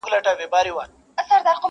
شک یې نسته په ایمان کي